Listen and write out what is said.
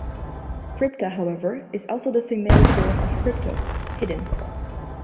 "Crypta", however, is also the female form of "crypto" "hidden".